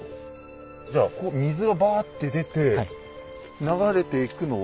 じゃあ水がバーッて出て流れていくのは？